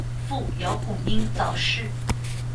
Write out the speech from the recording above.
父姚孔瑛早逝。